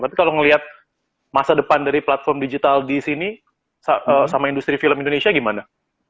tapi kalau ngelihat masa depan dari platform digital di sini sama industri film indonesia gimana